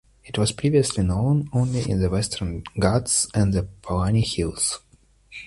It was previously known only in the Western Ghats and the Palani Hills.